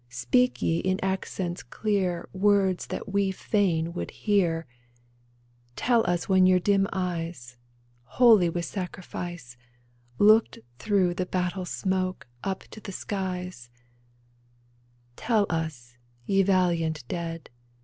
Speak ye in accents clear Words that we fain would hear ! Tell us when your dim eyes, Holy with sacrifice. Looked through the battle smoke Up to the skies ; Tell us, ye valiant dead.